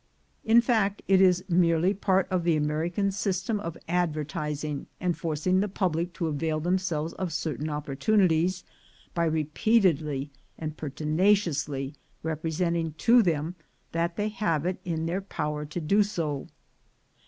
In fact, it is merely part of the American system of advertising, and forcing the public to avail themselves of certain opportunities, by repeatedly and pertinaciously representing to them that they have it in their power to do so.